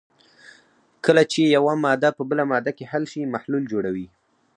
کله چې یوه ماده په بله ماده کې حل شي محلول جوړوي.